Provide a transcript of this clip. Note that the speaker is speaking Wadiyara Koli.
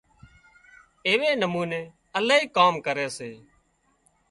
ايوي نموني الاهي ڪام ڪري سي